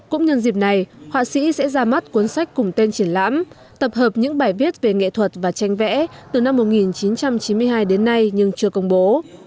cũng nhân dịp này họa sĩ sẽ ra mắt cuốn sách cùng tên triển lãm tập hợp những bài viết về nghệ thuật và tranh vẽ từ năm một nghìn chín trăm chín mươi hai đến nay nhưng chưa công bố